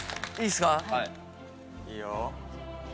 いいよ。